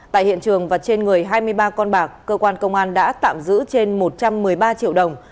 tại hiện trường và trên người hai mươi ba con bạc cơ quan công an đã tạm giữ trên một trăm một mươi ba triệu đồng